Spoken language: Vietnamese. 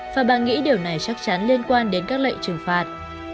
và bà nghĩ điều này chắc chắn liên quan đến các lệnh trừng phạt